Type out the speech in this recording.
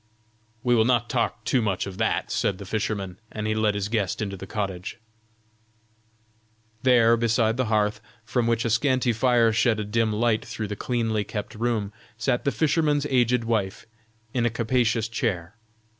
"We will not talk too much of that," said the fisherman, and he led his guest into the cottage. There, beside the hearth, from which a scanty fire shed a dim light through the cleanly kept room, sat the fisherman's aged wife in a capacious chair.